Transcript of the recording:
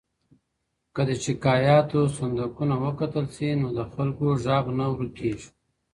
که د شکایاتو صندقونه وکتل سي، نو د خلګو غږ نه ورک کیږي.